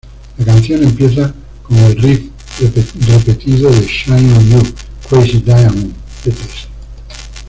La canción empieza con el riff repetido de Shine On You Crazy Diamond, Pts.